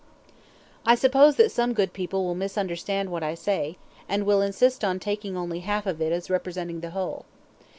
I suppose that some good people will misunderstand what I say, and will insist on taking only half of it as representing the whole.